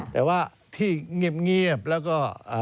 แต่ว่าที่เงียบแล้วก็